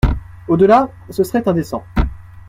Au-delà, ce serait indécent.